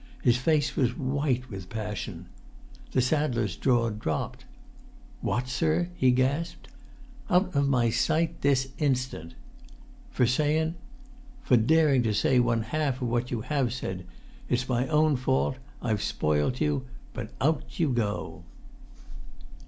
His face was white with passion. The saddler's jaw dropped. "What, sir?" he gasped. "Out of my sight—this instant!" "For sayun——" "For daring to say one half of what you have said! It's my own fault. I've spoilt you; but out you go."